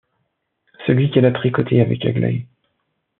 Celui qu’elle a tricoté avec Aglaé.